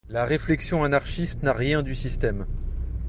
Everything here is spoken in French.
La réflexion anarchiste n'a rien du système.